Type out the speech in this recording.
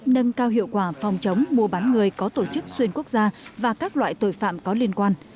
nâng cao hiệu quả phòng chống mua bán người có tổ chức xuyên quốc gia và các loại tội phạm có liên quan